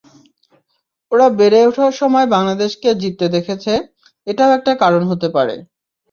ওরা বেড়ে ওঠার সময় বাংলাদেশকে জিততে দেখেছে, এটাও একটা কারণ হতে পারে।